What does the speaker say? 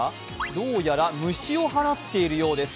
どうやら虫を払っているようです。